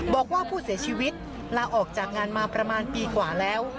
บอกว่าผู้เสียชีวิตลาออกจากงานมาประมาณปีกว่าแล้ว